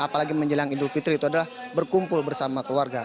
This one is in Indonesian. apalagi menjelang idul fitri itu adalah berkumpul bersama keluarga